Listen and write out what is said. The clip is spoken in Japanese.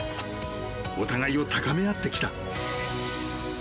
お互いを高め合ってきた。